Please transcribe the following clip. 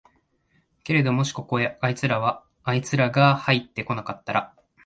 けれどももしここへあいつらがはいって来なかったら、